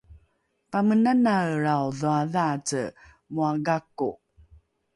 pamenanaelrao dhoadhaace moa gako